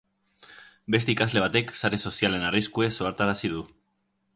Beste ikasle batek sare sozialen arriskuez ohartarazi du.